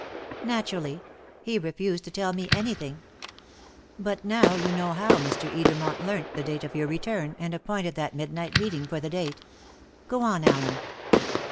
"Naturally. He refused to tell me anything. But now you know how Mr. Edermont learnt the date of your return, and appointed that midnight meeting for the date. Go on, Allen."